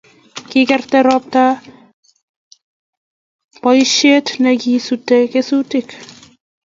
kikerta robta boisiet nekisute kesutik